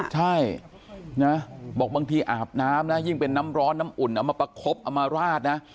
ใช่นะบอกบางทีอาบน้ำนะยิ่งเป็นน้ำร้อนน้ำอุ่นเอามาประคบเอามาราดนะ